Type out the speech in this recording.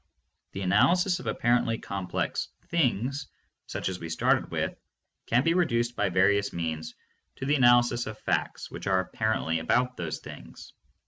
The analysis of appar ently complex things such as we started with can be re duced by various means, to the analysis of facts which are apparently about those things.